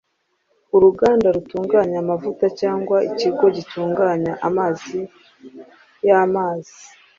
uruganda rutunganya amavuta, cyangwa ikigo gitunganya amazi y’amazi,